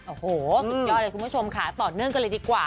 โอ้โหสุดยอดเลยคุณผู้ชมค่ะต่อเนื่องกันเลยดีกว่า